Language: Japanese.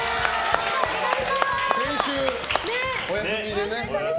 先週、お休みでね。